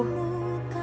masak telur aja